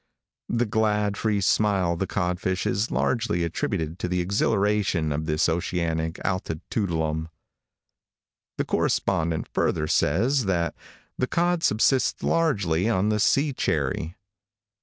The glad, free smile of the codfish is largely attributed to the exhilaration of this oceanic altitoodleum. The correspondent further says, that "the cod subsists largely on the sea cherry."